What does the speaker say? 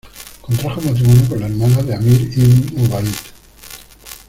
Contrajo matrimonio con la hermana de Amr ibn Ubayd.